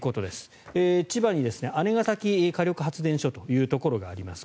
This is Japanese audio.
千葉に姉崎火力発電所というところがあります。